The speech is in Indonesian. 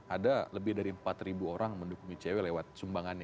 ada lebih dari empat orang mendukung icw lewat sumbangannya